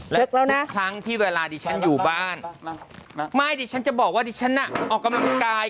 ลึกแล้วนะครั้งที่เวลาดิฉันอยู่บ้านไม่ดิฉันจะบอกว่าดิฉันน่ะออกกำลังกาย